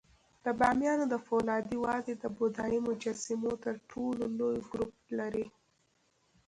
د بامیانو د فولادي وادي د بودایي مجسمو تر ټولو لوی ګروپ لري